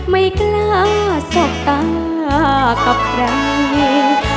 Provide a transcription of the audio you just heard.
ไม่กล้าสบตากับใคร